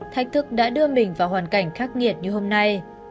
thách thức đã đưa mình vào hoàn cảnh khắc nghiệt như hôm nay